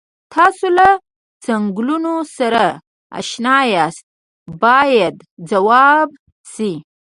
تاسو له څنګلونو سره اشنا یاست باید ځواب شي.